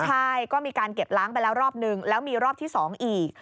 ใช่ก็มีการเก็บล้างไปแล้วรอบนึงแล้วมีรอบที่๒อีก